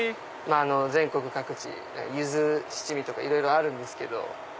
全国各地ユズ七味とかいろいろあるんですけど。